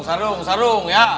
sarung sarung ya